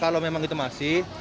kalau memang kita masih